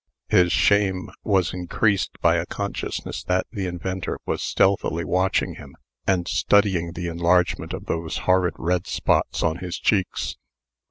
His shame was increased by a consciousness that the inventor was stealthily watching him, and studying the enlargement of those horrid red spots on his cheeks.